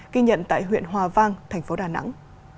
ghi nhận tại huyện hòa vang thành phố đà nẵng